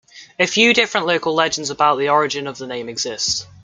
A few different local legends about the origin of the name exist.